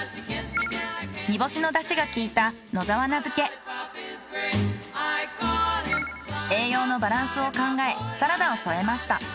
煮干しのだしが効いた栄養のバランスを考えサラダを添えました。